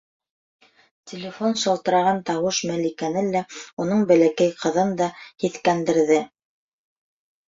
Телефон шылтыраған тауыш Мәликәне лә, уның бәләкәй ҡыҙын да һиҫкәндерҙе.